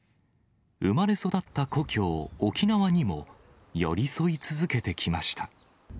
生まれ育った故郷、沖縄にも寄り添い続けてきました。